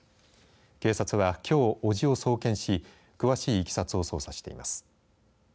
警察は、きょう伯父を送検し詳しいいきさつを捜査しています。